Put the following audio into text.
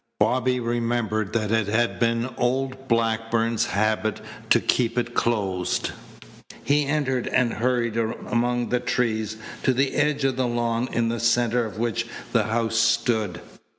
Bobby remembered that it had been old Blackburn's habit to keep it closed. He entered and hurried among the trees to the edge of the lawn in the centre of which the house stood.